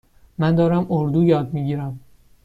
من دارم اردو یاد می گیرم.